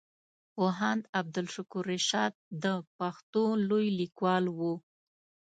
پوهاند عبدالشکور رشاد د پښتو لوی ليکوال وو.